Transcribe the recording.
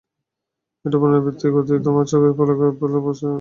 এই পুনরাবৃত্তির গতি তোমার চোখের পলক ফেলার চেয়েও দ্রুত গতির।